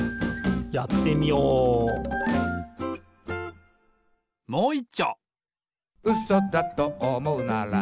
やってみようもういっちょ！